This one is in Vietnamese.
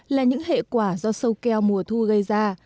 là những hệ quả do sâu keo mùa thu gây ra